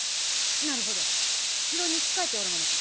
なるほど城に仕えておる者か。